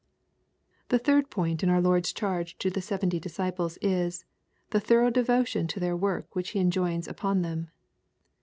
The third point in our Lord's charge to the seventy disciples is, the thorough devotion to their work which He LUKE^ CHAP. X. S47 n^oins upon them.